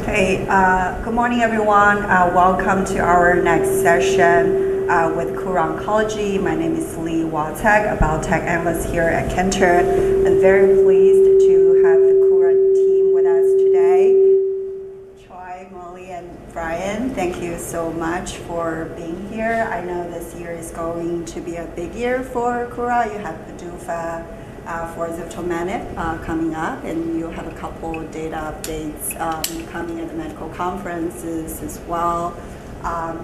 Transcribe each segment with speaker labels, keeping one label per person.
Speaker 1: Hey, good morning, everyone. Welcome to our next session with Kura Oncology. My name is Li Watsek, a biotech analyst here at Cantor. I'm very pleased to have the Kura team with us today. Troy, Mollie, and Brian, thank you so much for being here. I know this year is going to be a big year for Kura. You have the PDUFA for ziftomenib coming up, and you have a couple data updates coming in the medical conferences as well.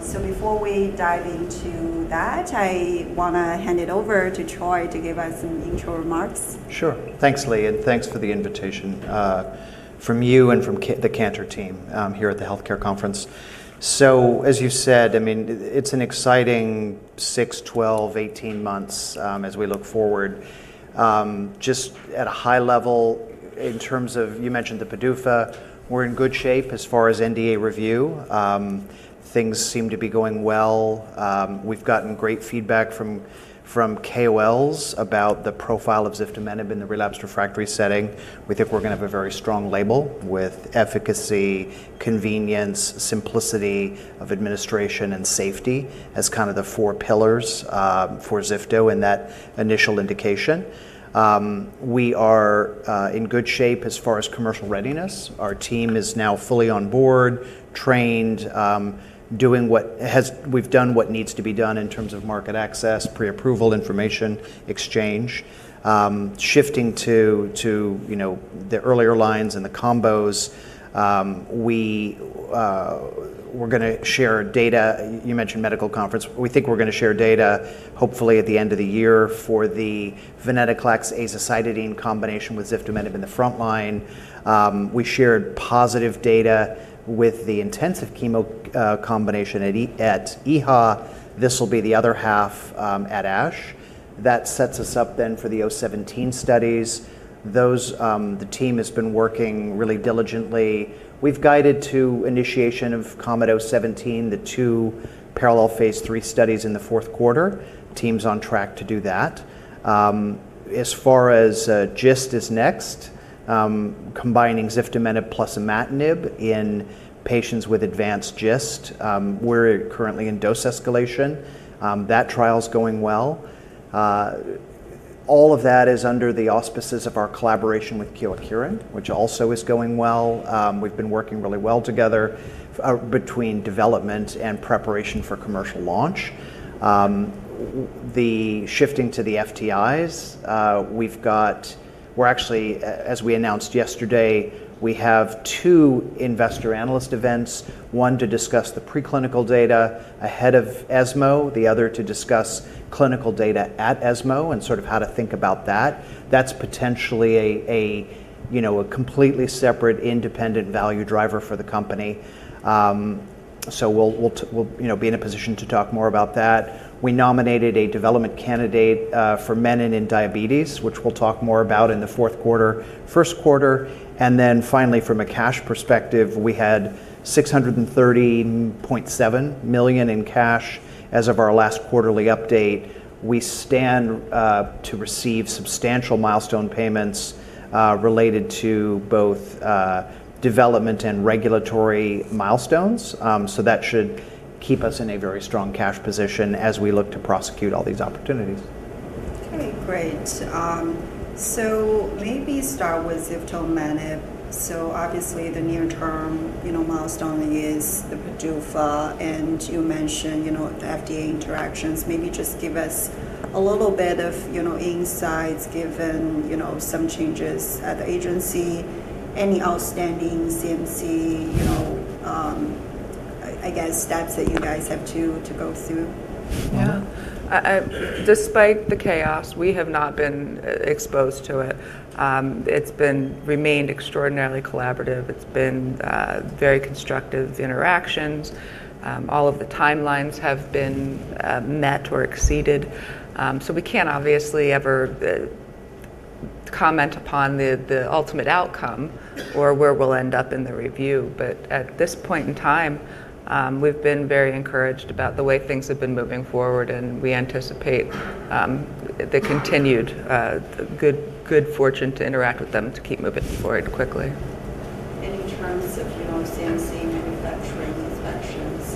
Speaker 1: So before we dive into that, I wanna hand it over to Troy to give us some intro remarks.
Speaker 2: Sure. Thanks, Li, and thanks for the invitation from you and from the Cantor team here at the healthcare conference. So as you said, I mean, it's an exciting six, 12, 18 months as we look forward. Just at a high level in terms of... You mentioned the PDUFA, we're in good shape as far as NDA review. Things seem to be going well. We've gotten great feedback from KOLs about the profile of ziftomenib in the relapsed refractory setting. We think we're gonna have a very strong label with efficacy, convenience, simplicity of administration, and safety as kind of the four pillars for zifto in that initial indication. We are in good shape as far as commercial readiness. Our team is now fully on board, trained. We've done what needs to be done in terms of market access, pre-approval information exchange. Shifting to, you know, the earlier lines and the combos, we're gonna share data. You mentioned medical conference, we think we're gonna share data hopefully at the end of the year for the venetoclax azacitidine in combination with ziftomenib in the front line. We shared positive data with the intensive chemo combination at EHA. This will be the other half at ASH. That sets us up then for the 017 studies. Those, the team has been working really diligently. We've guided to initiation of KOMET-017, the two parallel Phase III studies in the fourth quarter. Team's on track to do that. As far as GIST is next, combining ziftomenib plus imatinib in patients with advanced GIST. We're currently in dose escalation. That trial's going well. All of that is under the auspices of our collaboration with Kyowa Kirin, which also is going well. We've been working really well together between development and preparation for commercial launch. Shifting to the FTIs, we're actually, as we announced yesterday, we have two investor analyst events, one to discuss the preclinical data ahead of ESMO, the other to discuss clinical data at ESMO and sort of how to think about that. That's potentially a, a, you know, a completely separate, independent value driver for the company. So we'll, we'll, you know, be in a position to talk more about that. We nominated a development candidate, for menin in diabetes, which we'll talk more about in the fourth quarter, first quarter, and then finally, from a cash perspective, we had $630.7 million in cash as of our last quarterly update. We stand, to receive substantial milestone payments, related to both, development and regulatory milestones. So that should keep us in a very strong cash position as we look to prosecute all these opportunities.
Speaker 1: Okay, great. So maybe start with ziftomenib. So obviously, the near-term, you know, milestone is the PDUFA, and you mentioned, you know, the FDA interactions. Maybe just give us a little bit of, you know, insights, given, you know, some changes at the agency. Any outstanding CMC, you know, I guess, steps that you guys have to go through?
Speaker 3: Yeah. I... Despite the chaos, we have not been exposed to it. It's remained extraordinarily collaborative. It's been very constructive interactions. All of the timelines have been met or exceeded. So we can't obviously ever comment upon the ultimate outcome or where we'll end up in the review, but at this point in time, we've been very encouraged about the way things have been moving forward, and we anticipate the continued good fortune to interact with them to keep moving forward quickly.
Speaker 1: In terms of, you know, CMC, manufacturing, inspections,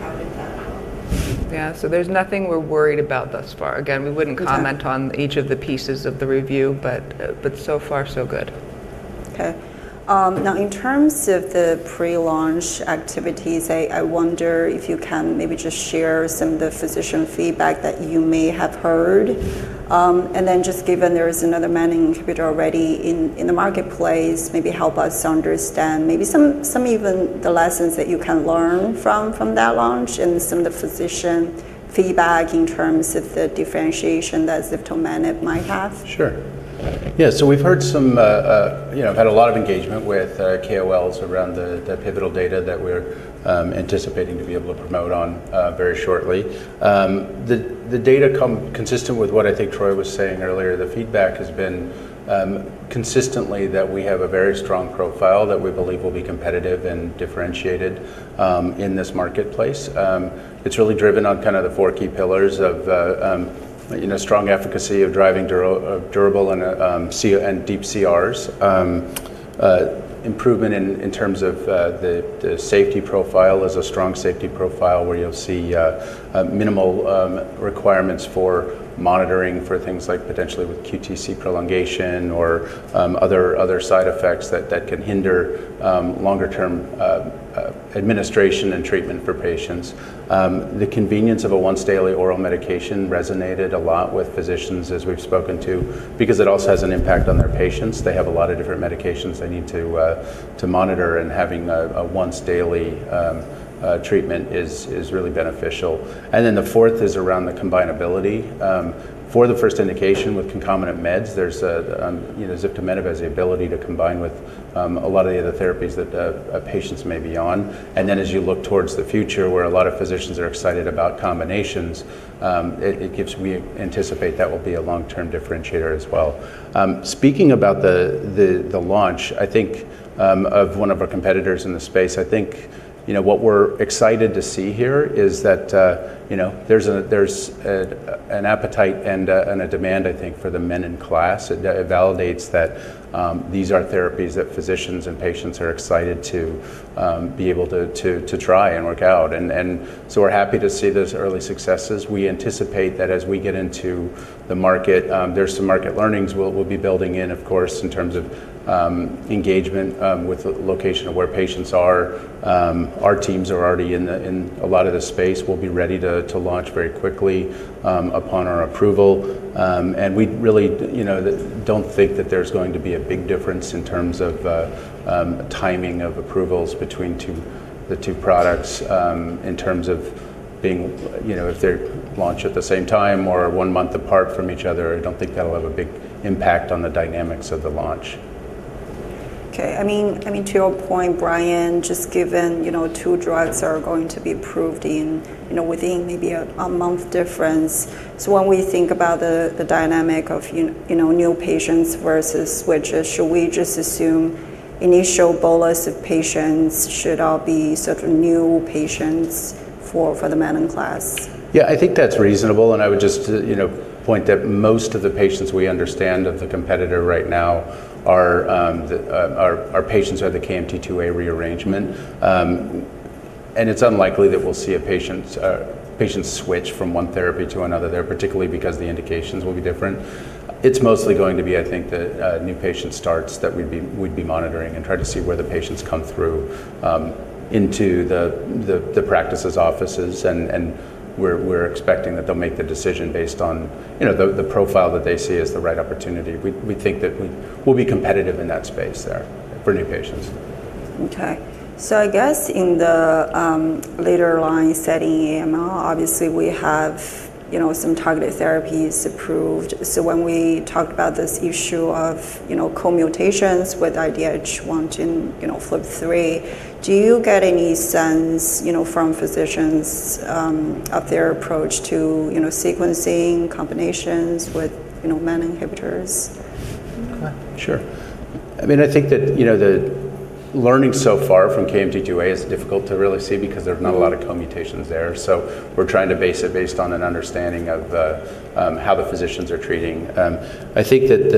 Speaker 1: how did that help?
Speaker 3: Yeah, so there's nothing we're worried about thus far. Again, we wouldn't comment on each of the pieces of the review, but so far, so good.
Speaker 1: Okay. Now in terms of the pre-launch activities, I wonder if you can maybe just share some of the physician feedback that you may have heard. And then just given there is another menin inhibitor already in the marketplace, maybe help us understand maybe some even the lessons that you can learn from that launch and some of the physician feedback in terms of the differentiation that ziftomenib might have.
Speaker 4: Sure. Yeah, so we've had a lot of engagement with KOLs around the pivotal data that we're anticipating to be able to promote on very shortly. The data consistent with what I think Troy was saying earlier, the feedback has been consistently that we have a very strong profile that we believe will be competitive and differentiated in this marketplace. It's really driven on kind of the four key pillars of strong efficacy of driving durable and deep CRs. Improvement in terms of the safety profile is a strong safety profile, where you'll see minimal requirements for monitoring for things like potentially with QTc prolongation or other side effects that can hinder longer-term administration and treatment for patients. The convenience of a once-daily oral medication resonated a lot with physicians as we've spoken to, because it also has an impact on their patients. They have a lot of different medications they need to monitor, and having a once-daily treatment is really beneficial. Then the fourth is around the combinability. For the first indication with concomitant meds, there's a you know, ziftomenib has the ability to combine with a lot of the other therapies that patients may be on. And then as you look towards the future, where a lot of physicians are excited about combinations, we anticipate that will be a long-term differentiator as well. Speaking about the launch, I think, of one of our competitors in the space, I think, you know, what we're excited to see here is that, you know, there's an appetite and a demand, I think, for the menin class. It validates that these are therapies that physicians and patients are excited to be able to try and work out. And so we're happy to see those early successes. We anticipate that as we get into the market, there's some market learnings we'll be building in, of course, in terms of engagement with the location of where patients are. Our teams are already in a lot of the space. We'll be ready to launch very quickly upon our approval, and we really, you know, don't think that there's going to be a big difference in terms of timing of approvals between the two products. In terms of being, you know, if they're launched at the same time or one month apart from each other, I don't think that'll have a big impact on the dynamics of the launch.
Speaker 1: Okay. I mean, to your point, Brian, just given, you know, two drugs are going to be approved in, you know, within maybe a month difference, so when we think about the dynamic of you know, new patients versus switches, should we just assume initial bolus of patients should all be sort of new patients for the menin class?
Speaker 4: Yeah, I think that's reasonable, and I would just, you know, point that most of the patients we understand of the competitor right now are patients who have the KMT2A rearrangement. And it's unlikely that we'll see a patient switch from one therapy to another there, particularly because the indications will be different. It's mostly going to be, I think, the new patient starts that we'd be monitoring and try to see where the patients come through into the practices offices. And we're expecting that they'll make the decision based on, you know, the profile that they see as the right opportunity. We think that we will be competitive in that space there for new patients.
Speaker 1: Okay. So I guess in the later-line setting, MRD, obviously we have, you know, some targeted therapies approved. So when we talk about this issue of, you know, co-mutations with IDH1 and, you know, FLT3, do you get any sense, you know, from physicians of their approach to, you know, sequencing combinations with, you know, menin inhibitors?
Speaker 4: Sure. I mean, I think that, you know, the learning so far from KMT2A is difficult to really see because there's not a lot of co-mutations there. So we're trying to base it on an understanding of how the physicians are treating. I think that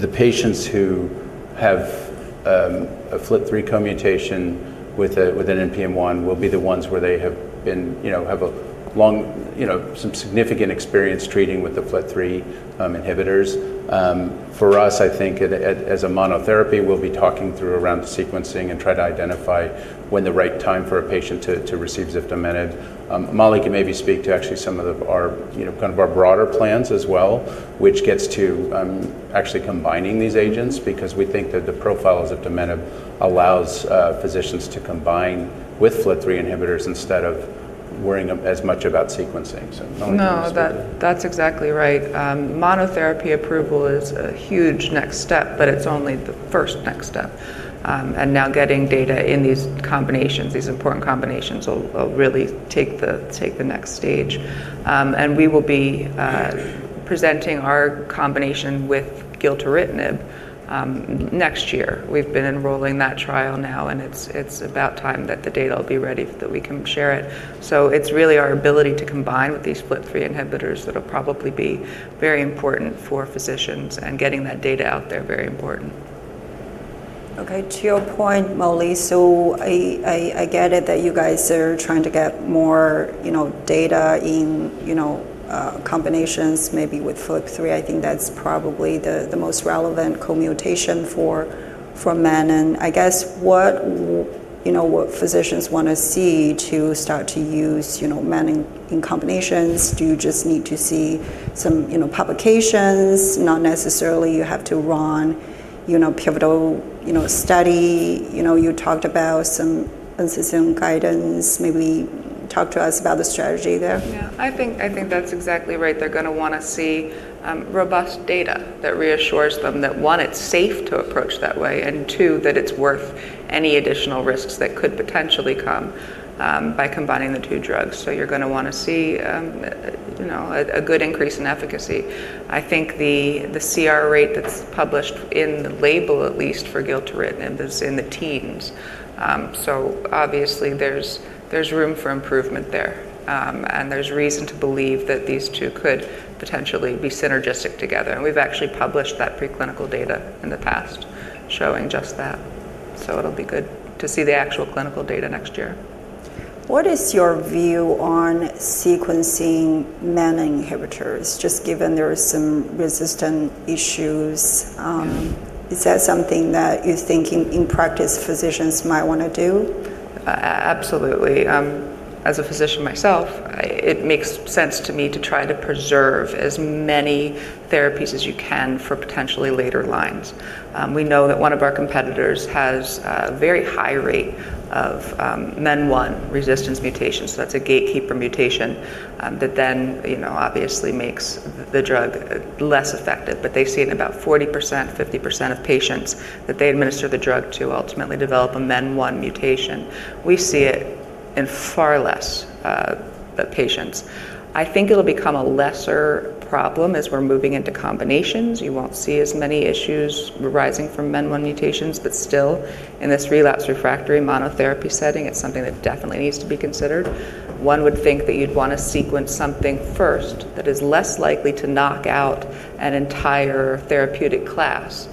Speaker 4: the patients who have a FLT3 co-mutation with an NPM1 will be the ones where they, you know, have a long... you know, some significant experience treating with the FLT3 inhibitors. For us, I think as a monotherapy, we'll be talking through around the sequencing and try to identify when the right time for a patient to receive ziftomenib. Mollie can maybe speak to actually some of the, our, you know, kind of our broader plans as well, which gets to, actually combining these agents because we think that the profile of ziftomenib allows, physicians to combine with FLT3 inhibitors instead of worrying as much about sequencing. So Mollie...
Speaker 3: No, that, that's exactly right. Monotherapy approval is a huge next step, but it's only the first next step. And now getting data in these combinations, these important combinations, will really take the next stage. And we will be presenting our combination with gilteritinib next year. We've been enrolling that trial now, and it's about time that the data will be ready that we can share it. So it's really our ability to combine with these FLT3 inhibitors that'll probably be very important for physicians, and getting that data out there, very important.
Speaker 1: Okay, to your point, Mollie, so I get it, that you guys are trying to get more, you know, data in, you know, combinations, maybe with FLT3. I think that's probably the most relevant co-mutation for menin. I guess, what you know, what physicians want to see to start to use, you know, menin in combinations? Do you just need to see some, you know, publications, not necessarily you have to run, you know, pivotal, you know, study? You know, you talked about some NCI guidance, maybe talk to us about the strategy there.
Speaker 3: Yeah, I think that's exactly right. They're gonna wanna see robust data that reassures them that, one, it's safe to approach that way, and two, that it's worth any additional risks that could potentially come by combining the two drugs. So you're gonna wanna see you know a good increase in efficacy. I think the CR rate that's published in the label, at least for gilteritinib, is in the teens. So obviously there's room for improvement there, and there's reason to believe that these two could potentially be synergistic together, and we've actually published that preclinical data in the past showing just that. So it'll be good to see the actual clinical data next year.
Speaker 1: What is your view on sequencing menin inhibitors, just given there are some resistant issues? Is that something that you think in practice physicians might wanna do?
Speaker 3: Absolutely. As a physician myself, it makes sense to me to try to preserve as many therapies as you can for potentially later lines. We know that one of our competitors has a very high rate of MEN1 resistance mutations. So that's a gatekeeper mutation that then, you know, obviously makes the drug less effective. But they've seen about 40%, 50% of patients that they administer the drug to ultimately develop a MEN1 mutation. We see it in far less patients. I think it'll become a lesser problem as we're moving into combinations. You won't see as many issues arising from MEN1 mutations, but still, in this relapsed/refractory monotherapy setting, it's something that definitely needs to be considered. One would think that you'd want to sequence something first that is less likely to knock out an entire therapeutic class,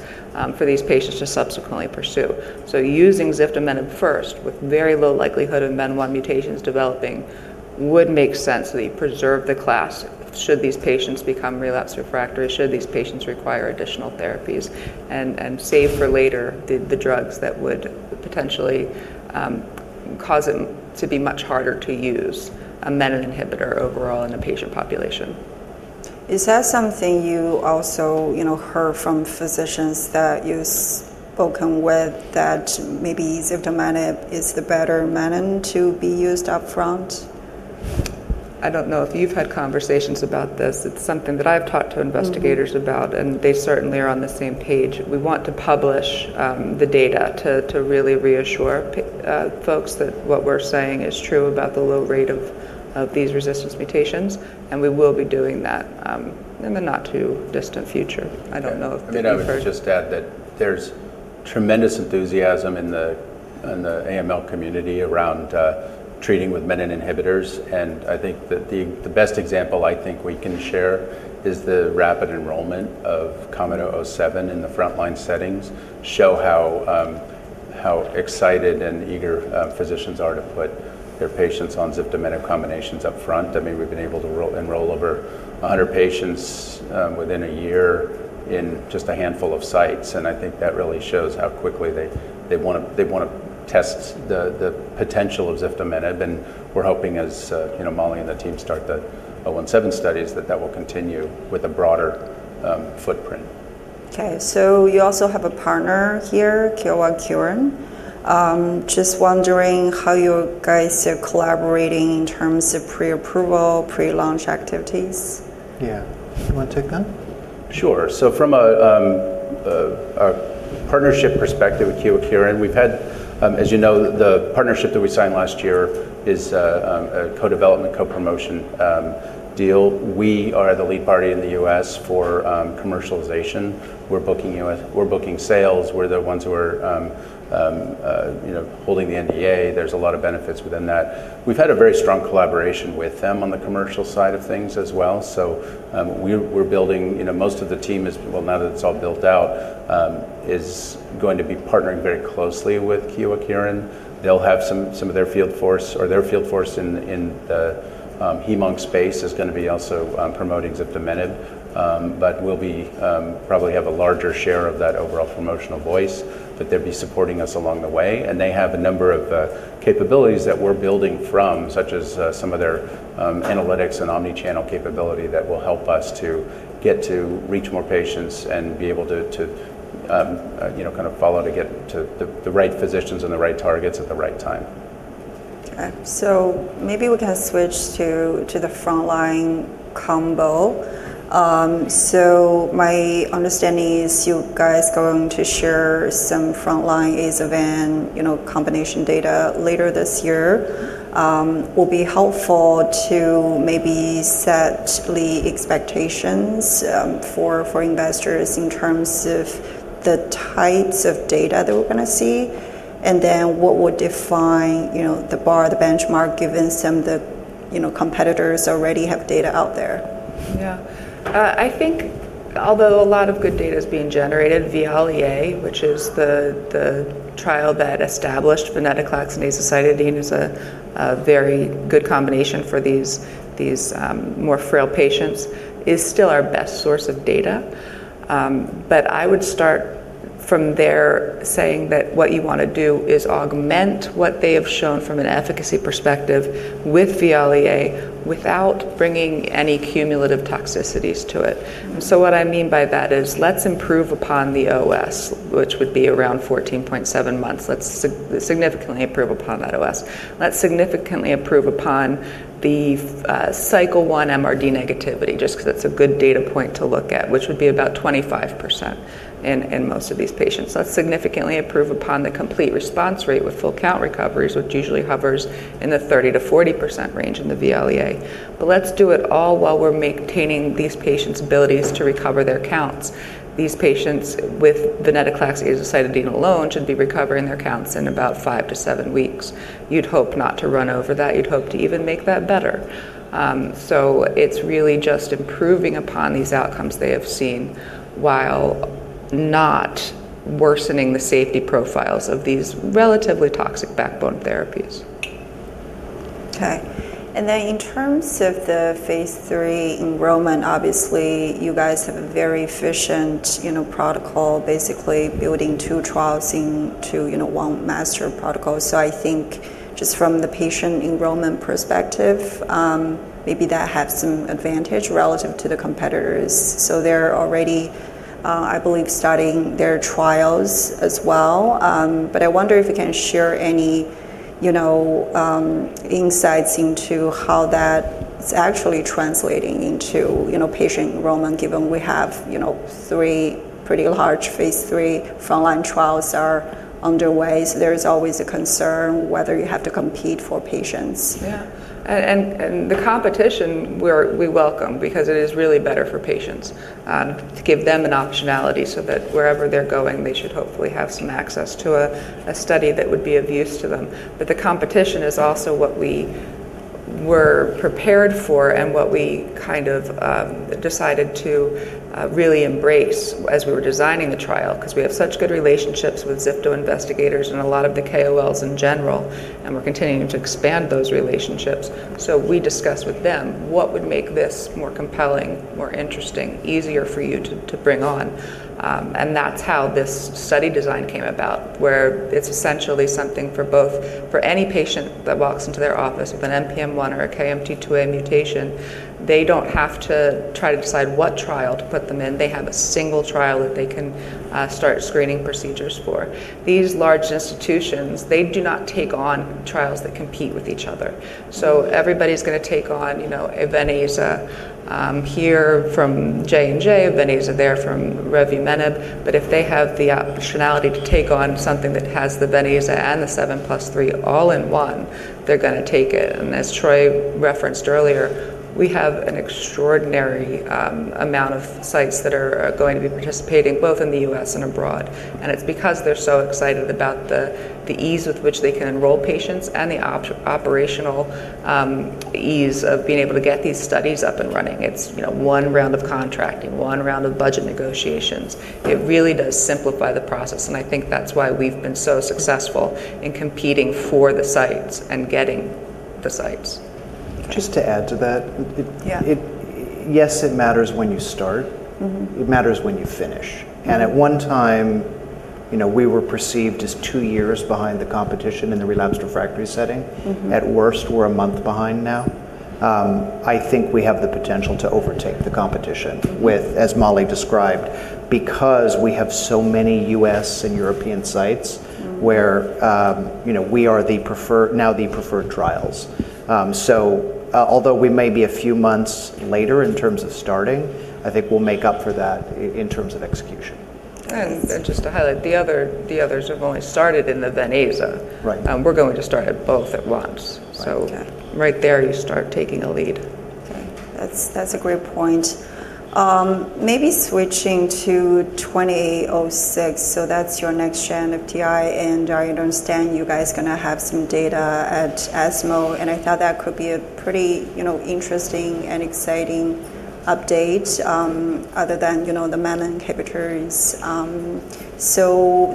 Speaker 3: for these patients to subsequently pursue. So using ziftomenib first, with very low likelihood of MEN1 mutations developing, would make sense, that you preserve the class should these patients become relapse-refractory, should these patients require additional therapies, and save for later the drugs that would potentially cause them to be much harder to use, a menin inhibitor overall in a patient population.
Speaker 1: Is that something you also, you know, heard from physicians that you've spoken with, that maybe ziftomenib is the better menin to be used upfront?
Speaker 3: I don't know if you've had conversations about this. It's something that I've talked to investigators about, and they certainly are on the same page. We want to publish the data to really reassure folks that what we're saying is true about the low rate of these resistance mutations, and we will be doing that in the not-too-distant future. I don't know if you've heard-
Speaker 4: Yeah. I mean, I would just add that there's tremendous enthusiasm in the AML community around treating with menin inhibitors. And I think that the best example I think we can share is the rapid enrollment of KOMET-007 in the frontline settings show how excited and eager physicians are to put their patients on ziftomenib combinations upfront. I mean, we've been able to enroll over 100 patients within a year in just a handful of sites, and I think that really shows how quickly they wanna test the potential of ziftomenib. And we're hoping as you know, Mollie and the team start the KOMET-017 studies, that that will continue with a broader footprint.
Speaker 1: Okay, so you also have a partner here, Kyowa Kirin. Just wondering how you guys are collaborating in terms of pre-approval, pre-launch activities?
Speaker 2: Yeah. You wanna take that?
Speaker 4: Sure. So from a partnership perspective with Kyowa Kirin, we've had... As you know, the partnership that we signed last year is a co-development, co-promotion deal. We are the lead party in the U.S. for commercialization. We're booking sales. We're the ones who are, you know, holding the NDA. There's a lot of benefits within that. We've had a very strong collaboration with them on the commercial side of things as well, so, we're building... You know, most of the team is, well, now that it's all built out, is going to be partnering very closely with Kyowa Kirin. They'll have some of their field force in the hemonc space is gonna be also promoting ziftomenib. But we'll probably have a larger share of that overall promotional voice, but they'll be supporting us along the way. And they have a number of capabilities that we're building from, such as some of their analytics and omni-channel capability that will help us to get to reach more patients and be able to you know, kind of follow to get to the right physicians and the right targets at the right time.
Speaker 1: Okay, so maybe we can switch to the frontline combo. So my understanding is you guys going to share some frontline Aza-Ven, you know, combination data later this year. Will be helpful to maybe set the expectations for investors in terms of the types of data that we're gonna see, and then what would define, you know, the bar, the benchmark, given some of the, you know, competitors already have data out there?
Speaker 3: Yeah. I think although a lot of good data is being generated, VIALE-A, which is the trial that established venetoclax and azacitidine as a very good combination for these more frail patients, is still our best source of data. But I would start from there saying that what you wanna do is augment what they have shown from an efficacy perspective with VIALE-A, without bringing any cumulative toxicities to it. So what I mean by that is, let's improve upon the OS, which would be around 14.7 months. Let's significantly improve upon that OS. Let's significantly improve upon the cycle one MRD negativity, just 'cause it's a good data point to look at, which would be about 25% in most of these patients. Let's significantly improve upon the complete response rate with full count recoveries, which usually hovers in the 30%-40% range in the VIALE-A. But let's do it all while we're maintaining these patients' abilities to recover their counts. These patients with Venetoclax and Azacitidine alone should be recovering their counts in about five to seven weeks. You'd hope not to run over that. You'd hope to even make that better. It's really just improving upon these outcomes they have seen, while not worsening the safety profiles of these relatively toxic backbone therapies.
Speaker 1: Okay. And then in terms of the Phase III enrollment, obviously, you guys have a very efficient, you know, protocol, basically building two trials into, you know, one master protocol. So I think just from the patient enrollment perspective, maybe that has some advantage relative to the competitors. So they're already, I believe, starting their trials as well. But I wonder if you can share any, you know, insights into how that's actually translating into, you know, patient enrollment, given we have, you know, three pretty large Phase III frontline trials are underway. So there's always a concern whether you have to compete for patients?
Speaker 3: Yeah, and the competition we welcome because it is really better for patients to give them an optionality so that wherever they're going, they should hopefully have some access to a study that would be of use to them. But the competition is also what we were prepared for and what we kind of decided to really embrace as we were designing the trial, 'cause we have such good relationships with ziftomenib investigators and a lot of the KOLs in general, and we're continuing to expand those relationships. So we discussed with them, "What would make this more compelling, more interesting, easier for you to bring on?" And that's how this study design came about, where it's essentially something for both... For any patient that walks into their office with an NPM1 or a KMT2A mutation, they don't have to try to decide what trial to put them in. They have a single trial that they can start screening procedures for. These large institutions, they do not take on trials that compete with each other. So everybody's gonna take on, you know, a Ven/Aza here from J&J, Ven/Aza there from revimenib. But if they have the optionality to take on something that has the Ven/Aza and the 7+3 all in one, they're gonna take it. As Troy referenced earlier, we have an extraordinary amount of sites that are going to be participating, both in the U.S. and abroad, and it's because they're so excited about the ease with which they can enroll patients and the operational ease of being able to get these studies up and running. It's, you know, one round of contracting, one round of budget negotiations. It really does simplify the process, and I think that's why we've been so successful in competing for the sites and getting the sites.
Speaker 2: Just to add to that,
Speaker 3: Yeah
Speaker 2: Yes, it matters when you start. It matters when you finish. At one time, you know, we were perceived as two years behind the competition in the relapsed refractory setting. At worst, we're a month behind now. I think we have the potential to overtake the competition with, as Mollie described, because we have so many U.S. and European sites where, you know, we are now the preferred trials, so although we may be a few months later in terms of starting, I think we'll make up for that in terms of execution.
Speaker 3: Yes. And just to highlight, the others have only started in the Ven/Aza, we're going to start at both at once. So right there, you start taking a lead.
Speaker 1: Okay. That's a great point. Maybe switching to KO-2806, so that's your next-gen FTI, and I understand you guys are gonna have some data at ESMO, and I thought that could be a pretty, you know, interesting and exciting update, other than, you know, the MEK inhibitors.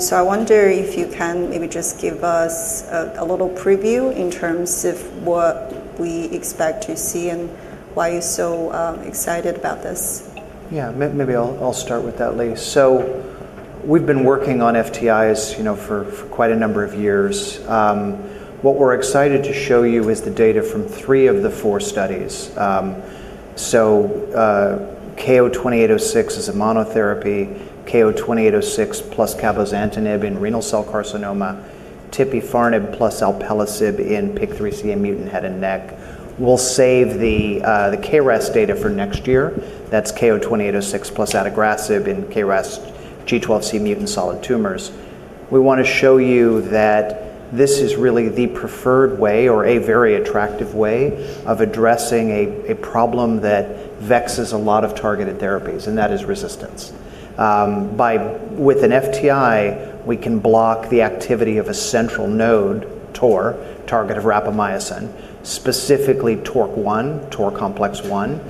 Speaker 1: So I wonder if you can maybe just give us a little preview in terms of what we expect to see and why you're so excited about this.
Speaker 2: Yeah. Maybe I'll start with that, Li. So we've been working on FTIs, you know, for quite a number of years. What we're excited to show you is the data from three of the four studies. KO-2806 is a monotherapy, KO-2806 plus cabozantinib in renal cell carcinoma, tipifarnib plus alpelisib in PIK3CA mutant head and neck. We'll save the KRAS data for next year. That's KO-2806 plus adagrasib in KRAS G12C mutant solid tumors. We wanna show you that this is really the preferred way or a very attractive way of addressing a problem that vexes a lot of targeted therapies, and that is resistance. With an FTI, we can block the activity of a central node, TOR, target of rapamycin, specifically TORC1, TOR complex 1,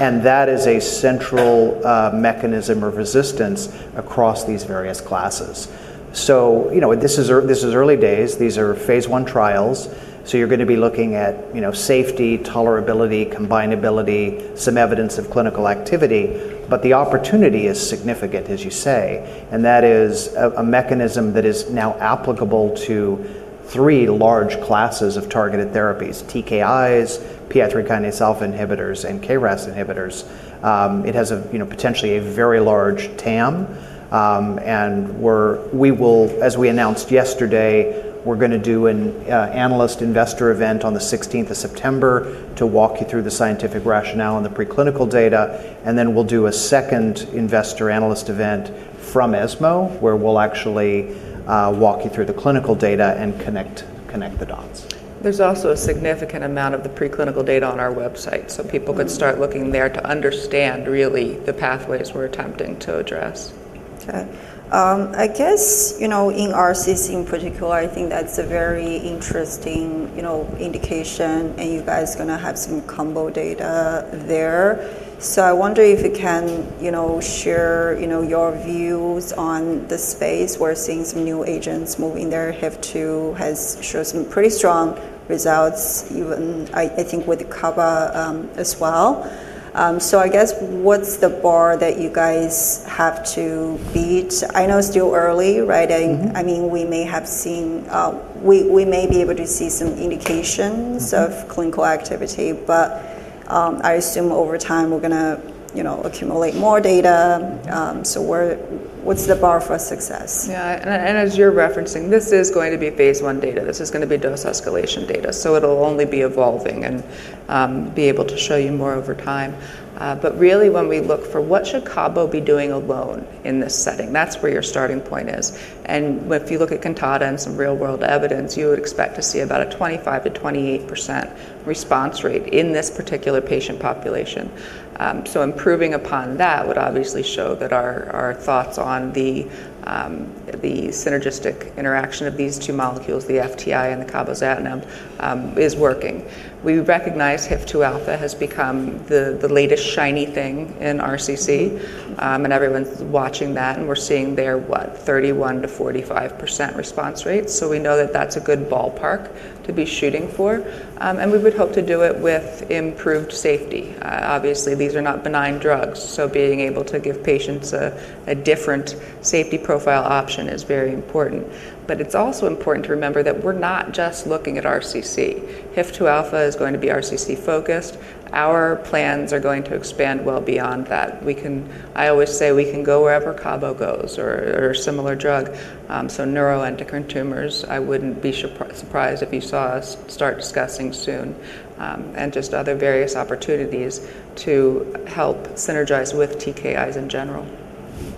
Speaker 2: and that is a central mechanism of resistance across these various classes. So, you know, this is early days. These are phase 1 trials, so you're gonna be looking at, you know, safety, tolerability, combinability, some evidence of clinical activity. But the opportunity is significant, as you say, and that is a mechanism that is now applicable to three large classes of targeted therapies: TKIs, PI3-kinase alpha inhibitors, and KRAS inhibitors. It has a, you know, potentially a very large TAM. And we will, as we announced yesterday, we're gonna do an analyst investor event on the 16th of September to walk you through the scientific rationale and the preclinical data, and then we'll do a second investor analyst event from ESMO, where we'll actually walk you through the clinical data and connect the dots.
Speaker 3: There's also a significant amount of the preclinical data on our website, so people could start looking there to understand really the pathways we're attempting to address.
Speaker 1: Okay. I guess, you know, in RCCs in particular, I think that's a very interesting, you know, indication, and you guys are gonna have some combo data there. So I wonder if you can, you know, share, you know, your views on the space. We're seeing some new agents move in there. HIF-2 has shown some pretty strong results, even I think with the cabozantinib as well. So I guess, what's the bar that you guys have to beat? I know it's still early, right? I mean, we may have seen. We may be able to see some indications of clinical activity, I assume over time we're gonna, you know, accumulate more data, so what's the bar for success?
Speaker 3: Yeah, and as you're referencing, this is going to be Phase I data. This is gonna be dose escalation data, so it'll only be evolving, and be able to show you more over time. But really when we look for what should cabo be doing alone in this setting, that's where your starting point is. And if you look at CANTATA and some real-world evidence, you would expect to see about a 25%-28% response rate in this particular patient population. So improving upon that would obviously show that our thoughts on the synergistic interaction of these two molecules, the FTI and the cabozantinib, is working. We recognize HIF-2alpha has become the latest shiny thing in RCC, and everyone's watching that, and we're seeing there, what? 31%-45% response rates, so we know that that's a good ballpark to be shooting for, and we would hope to do it with improved safety. Obviously, these are not benign drugs, so being able to give patients a different safety profile option is very important, but it's also important to remember that we're not just looking at RCC. HIF-2alpha is going to be RCC-focused. Our plans are going to expand well beyond that. I always say we can go wherever Cabozantinib goes or a similar drug, so neuroendocrine tumors, I wouldn't be surprised if you saw us start discussing soon, and just other various opportunities to help synergize with TKIs in general.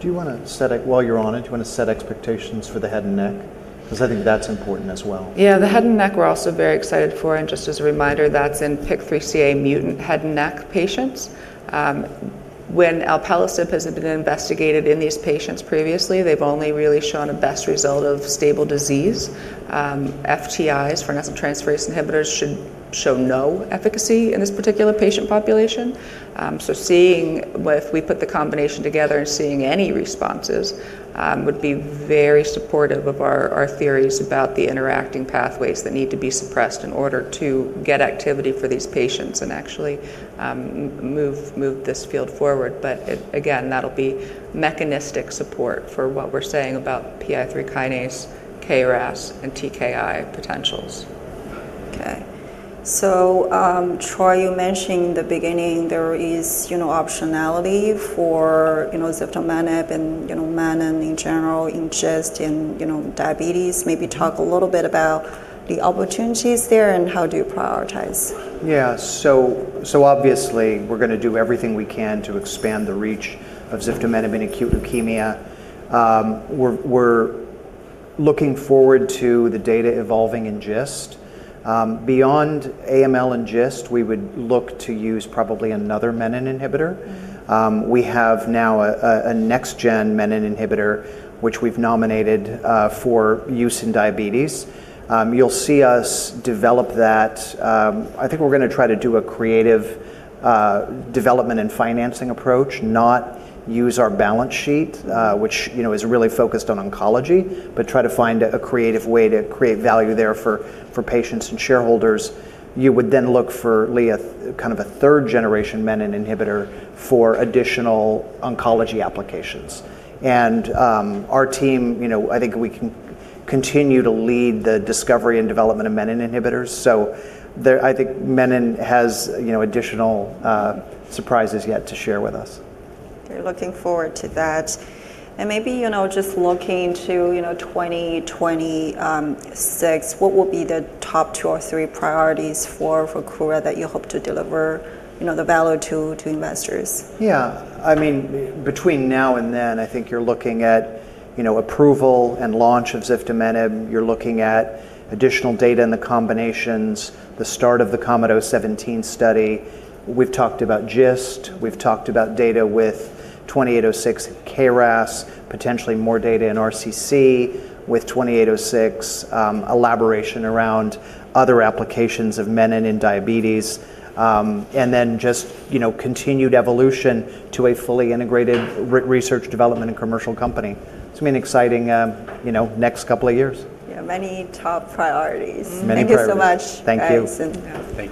Speaker 2: Do you wanna set while you're on it, do you wanna set expectations for the head and neck? 'Cause I think that's important as well.
Speaker 3: Yeah, the head and neck we're also very excited for, and just as a reminder, that's in PIK3CA mutant head and neck patients. When Alpelisib has been investigated in these patients previously, they've only really shown a best result of stable disease. FTIs, farnesyltransferase inhibitors, should show no efficacy in this particular patient population. So seeing if we put the combination together and seeing any responses would be very supportive of our theories about the interacting pathways that need to be suppressed in order to get activity for these patients and actually move this field forward. But it again, that'll be mechanistic support for what we're saying about PI 3-kinase, KRAS, and TKI potentials.
Speaker 1: Okay. So, Troy, you mentioned in the beginning there is, you know, optionality for, you know, ziftomenib and, you know, menin in general, in GIST, in, you know, diabetes. Maybe talk a little bit about the opportunities there and how do you prioritize?
Speaker 2: Yeah. So, so obviously we're gonna do everything we can to expand the reach of Ziftomenib in acute leukemia. We're looking forward to the data evolving in GIST. Beyond AML and GIST, we would look to use probably another menin inhibitor. We have now a next-gen menin inhibitor, which we've nominated for use in diabetes. You'll see us develop that. I think we're gonna try to do a creative development and financing approach, not use our balance sheet, which, you know, is really focused on oncology, but try to find a creative way to create value there for patients and shareholders. You would then look for, Li, kind of a third-generation menin inhibitor for additional oncology applications. Our team, you know, I think we can continue to lead the discovery and development of menin inhibitors. I think menin has, you know, additional surprises yet to share with us.
Speaker 1: We're looking forward to that. And maybe, you know, just looking to, you know, 2026, what will be the top two or three priorities for Kura that you hope to deliver, you know, the value to investors?
Speaker 2: Yeah. I mean, between now and then, I think you're looking at, you know, approval and launch of ziftomenib. You're looking at additional data in the combinations, the start of the KOMET-017 study. We've talked about GIST. We've talked about data with KO-2806 KRAS, potentially more data in RCC with KO-2806, elaboration around other applications of menin in diabetes, and then just, you know, continued evolution to a fully integrated research, development, and commercial company. It's gonna be an exciting, you know, next couple of years.
Speaker 1: Yeah, many top priorities. Many priorities. Thank you so much, guys.
Speaker 2: Thank you.